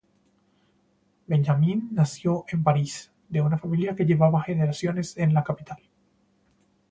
Benjamin nació en París, de una familia que llevaba generaciones en la capital.